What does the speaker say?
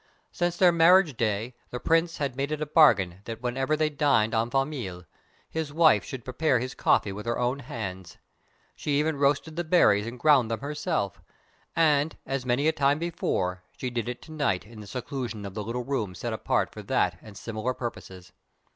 Since their marriage day the Prince had made it a bargain that whenever they dined en famille, his wife should prepare his coffee with her own hands. She even roasted the berries and ground them herself, and, as many a time before, she did it to night in the seclusion of the little room set apart for that and similar purposes.